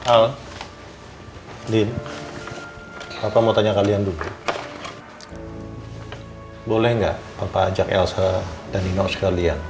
al lin apa mau tanya kalian dulu boleh nggak bapak ajak elsa dan ino sekalian